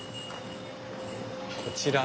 こちら。